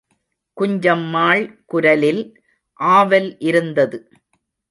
குஞ்சம்மாள் குரலில் ஆவல் இருந்தது.